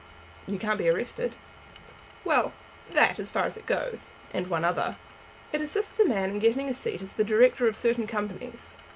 "You can't be arrested." "Well; that, as far as it goes; and one other. It assists a man in getting a seat as the director of certain Companies.